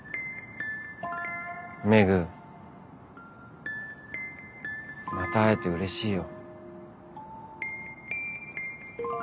廻また会えてうれしいよ。